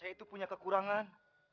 saya itu punya kekurangan